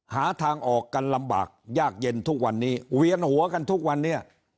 หาทางออกกันลำบากยากเย็นทุกวันนี้เวียนหัวกันทุกวันนี้